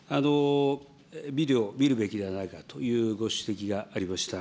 ビデオ見るべきではないかというご指摘がありました。